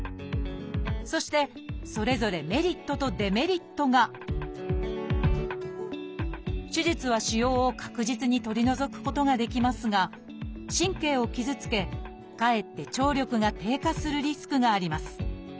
そしてそれぞれメリットとデメリットが手術は腫瘍を確実に取り除くことができますが神経を傷つけかえって聴力が低下するリスクがあります。